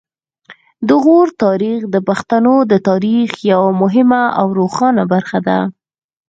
د غور تاریخ د پښتنو د تاریخ یوه مهمه او روښانه برخه ده